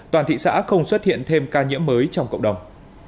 toàn thị xã không xuất hiện thêm ca nhiễm mới trong cộng đồng